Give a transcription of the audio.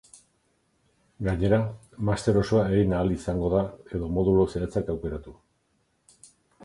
Gainera, master osoa egin ahal izango da, edo modulu zehatzak aukeratu.